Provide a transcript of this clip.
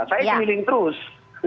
saya milih terus